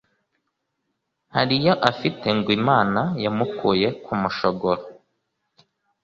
hari iyo afite ngo Imana yamukuye ku mushogoro